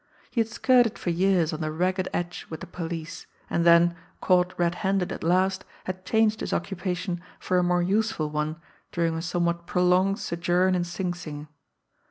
He had skirted for years on the ragged edge with the police, and then, caught red handed at last, had changed his occupation for a more useful one during a somewhat prolonged sojourn in Sing Sing.